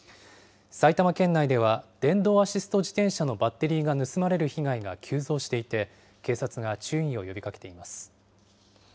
埼玉県内では、電動アシスト自転車のバッテリーが盗まれる被害が急増していて、警察が注意を呼びかけています。